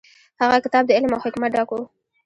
هغه کتاب د علم او حکمت ډک و.